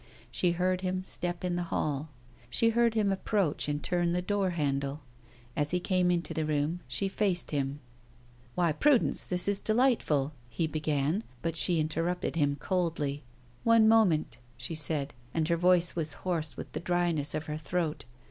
She heard his step in the hall; she heard him approach and turn the door handle. As he came into the room she faced him. "Why, Prudence, this is a delightful " he began. But she interrupted him coldly. "One moment," she said, and her voice was hoarse with the dryness of her throat.